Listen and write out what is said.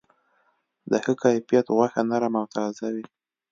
د ښه کیفیت غوښه نرم او تازه وي.